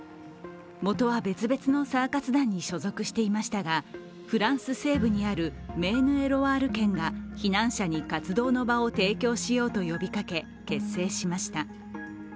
もとは別々のサーカス団に所属していましたが、フランス西部にあるメーヌ＝エ＝ロワール県が避難者に活動の場を提供しようと呼びかけ結成しました。